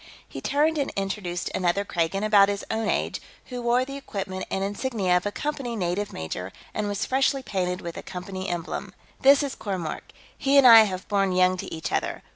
He turned and introduced another Kragan, about his own age, who wore the equipment and insignia of a Company native major and was freshly painted with the Company emblem. "This is Kormork. He and I have borne young to each other.